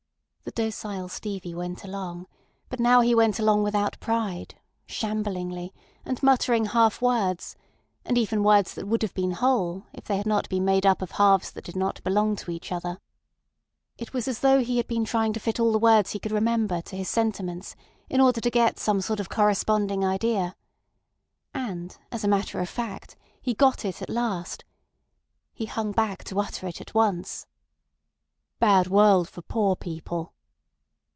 The docile Stevie went along; but now he went along without pride, shamblingly, and muttering half words, and even words that would have been whole if they had not been made up of halves that did not belong to each other. It was as though he had been trying to fit all the words he could remember to his sentiments in order to get some sort of corresponding idea. And, as a matter of fact, he got it at last. He hung back to utter it at once. "Bad world for poor people."